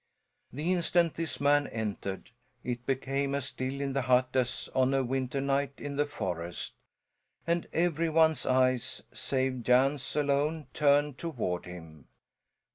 The instant this man entered it became as still in the hut as on a winter night in the forest, and every one's eyes save Jan's alone turned toward him.